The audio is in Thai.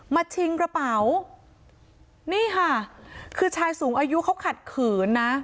ชิงกระเป๋านี่ค่ะคือชายสูงอายุเขาขัดขืนนะ